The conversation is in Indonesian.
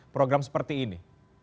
program seperti ini